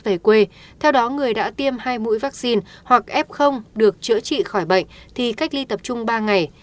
về quê theo đó người đã tiêm hai mũi vaccine hoặc f được chữa trị khỏi bệnh thì cách ly tập trung ba ngày